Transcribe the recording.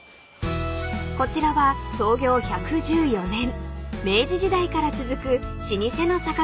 ［こちらは創業１１４年明治時代から続く老舗の酒蔵だそうです］